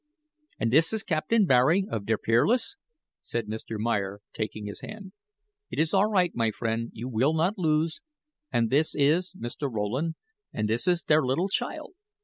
"And this is Captain Barry, of der Peerless," said Mr. Meyer, taking his hand. "It is all right, my friend; you will not lose. And this is Mr. Rowland and this is der little child.